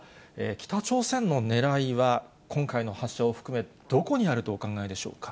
北朝鮮のねらいは、今回の発射を含めて、どこにあるとお考えでしょうか。